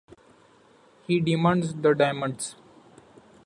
He demands the diamonds.